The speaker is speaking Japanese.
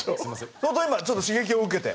相当今ちょっと刺激を受けて。